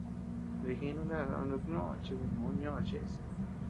Dijínu ndás ama yukñò chi kunù nioʼö cheʼe.